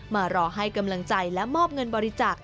มารอให้กำลังใจและมอบเงินบริจาค